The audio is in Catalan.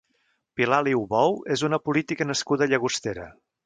Pilar Aliu Bou és una política nascuda a Llagostera.